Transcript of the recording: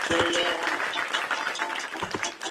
Del espurio se dice que no teniendo padre alguno, tiene muchos.